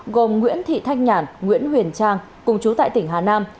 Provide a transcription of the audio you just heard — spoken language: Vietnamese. gồm nguyễn thị thanh nhàn nguyễn huyền trang cùng chú tại tỉnh hà nam